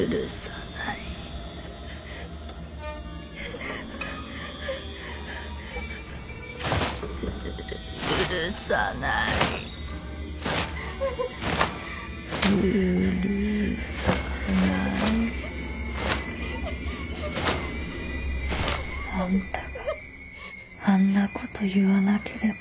・あんたがあんなこと言わなければ。